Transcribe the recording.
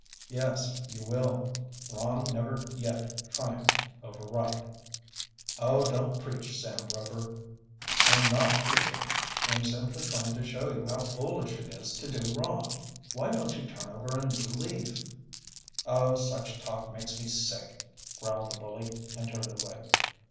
"Yes, you will. Wrong never yet triumphed over right." "Oh, don't preach, Sam Rover." "I am not preaching, I am simply trying to show you how foolish it is to do wrong. Why don't you turn over a new leaf?" "Oh, such talk makes me sick!" growled the bully, and turned away.